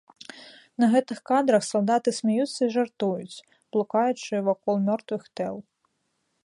На гэтых кадрах салдаты смяюцца і жартуюць, блукаючы вакол мёртвых тэл.